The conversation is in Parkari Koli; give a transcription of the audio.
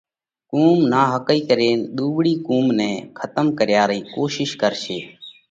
قُوم ناحقئِي ڪرينَ ۮُوٻۯِي قوم نئہ کتم ڪريا رئي ڪوشش ڪرشي۔